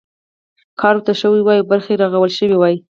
کار ورته شوی وای او برخې رغول شوي وای.